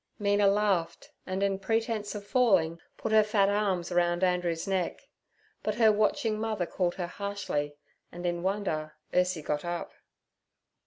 Mina laughed, and in pretence of falling, put her fat arms round Andrew's neck. But her watching mother called her harshly, and in wonder Ursie got up.